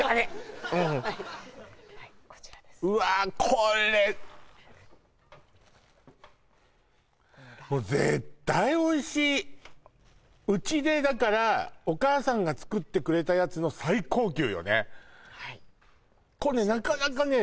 これもう絶対おいしいうちでお母さんが作ってくれたやつの最高級よねはいなかなかね